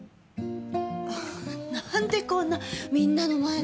なんでこんなみんなの前で。